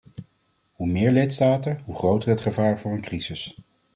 Hoe meer lidstaten, hoe groter het gevaar voor een crisis.